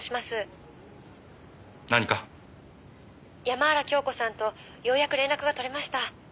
「山原京子さんとようやく連絡が取れました」